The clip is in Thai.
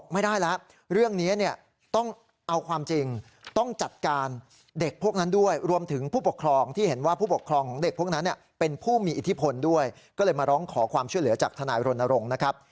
มาร้องขอความช่วยเหลือจากธนายโบรณารงค์นะครับ